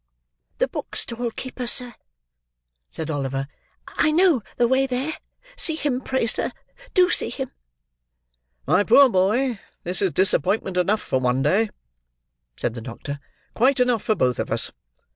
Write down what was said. "The book stall keeper, sir?" said Oliver. "I know the way there. See him, pray, sir! Do see him!" "My poor boy, this is disappointment enough for one day," said the doctor. "Quite enough for both of us.